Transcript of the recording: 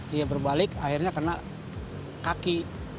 dia berbalik akhirnya kena kaki